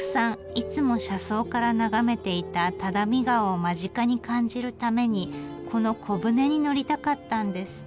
いつも車窓から眺めていた只見川を間近に感じるためにこの小舟に乗りたかったんです。